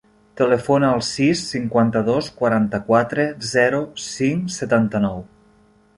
Telefona al sis, cinquanta-dos, quaranta-quatre, zero, cinc, setanta-nou.